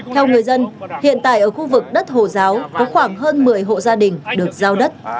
theo người dân hiện tại ở khu vực đất hồ giáo có khoảng hơn một mươi hộ gia đình được giao đất